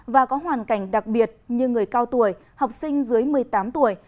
và có hoàn cảnh đặc biệt như người cao tuổi học sinh dưới một mươi tám tuổi